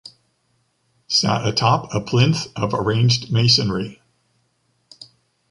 Sat atop a plinth of arranged masonry.